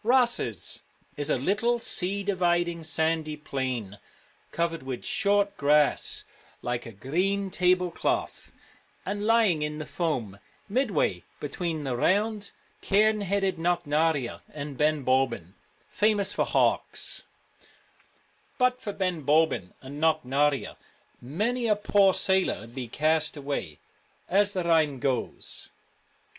Rosses is a little sea dividing, sandy plain, covered with short grass, like a green table cloth, and lying in the foam midway between the round cairn headed Knocknarea and ' Ben Bulben, famous for hawks ': 1 But for Benbulben and Knocknarea Many a poor sailor 'd be cast away,' as the rhyme goes.